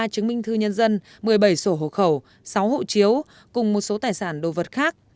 ba chứng minh thư nhân dân một mươi bảy sổ hộ khẩu sáu hộ chiếu cùng một số tài sản đồ vật khác